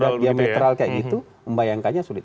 nasdem yang sudah diametral kayak gitu membayangkannya sulit